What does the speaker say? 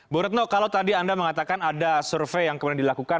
bu retno kalau tadi anda mengatakan ada survei yang kemudian dilakukan